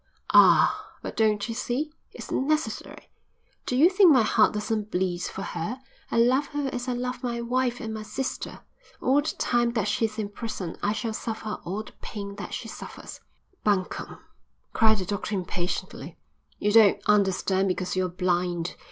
"Ah, but don't you see? It's necessary. Do you think my heart doesn't bleed for her? I love her as I love my wife and my sister. All the time that she is in prison I shall suffer all the pain that she suffers." "Bunkum," cried the doctor impatiently. "You don't understand because you're blind.